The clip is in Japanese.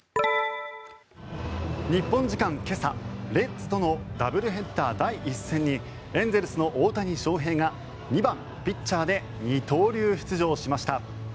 日本時間今朝レッズとのダブルヘッダー第１戦にエンゼルスの大谷翔平が２番ピッチャーで二刀流出場しました。